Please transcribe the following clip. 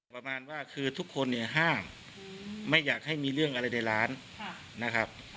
ประมาณว่าคือทุกคนเนี่ยห้ามไม่อยากให้มีเรื่องอะไรในร้านนะครับ